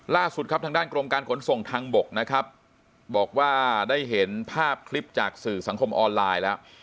ล่าสุดครับทางด้านกรมการขนส่งทางบกนะครับบอกว่าได้เห็นภาพคลิปจากสื่อสังคมออนไลน์แล้ว